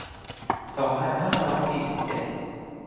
สองพันห้าร้อยสี่สิบเจ็ด